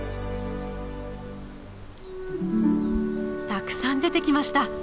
たくさん出てきました。